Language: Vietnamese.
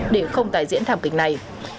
để không tài diễn thảm kính này